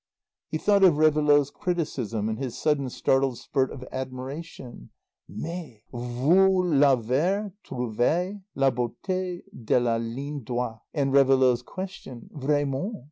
He thought of Réveillaud's criticism, and his sudden startled spurt of admiration: "Mais! Vous l'avez trouvée, la beauté de la ligne droite." And Réveillaud's question: "Vraiment?